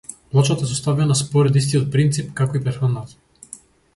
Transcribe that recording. Плочата е составена според истиот принцип како и претходната.